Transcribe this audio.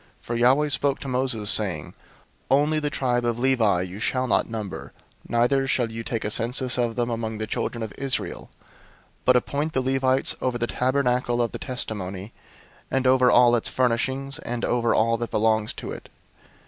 001:048 For Yahweh spoke to Moses, saying, 001:049 "Only the tribe of Levi you shall not number, neither shall you take a census of them among the children of Israel; 001:050 but appoint the Levites over the Tabernacle of the Testimony, and over all its furnishings, and over all that belongs to it.